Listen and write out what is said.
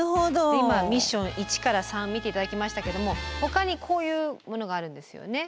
今ミッション１から３を見て頂きましたけどもほかにこういうものがあるんですよね。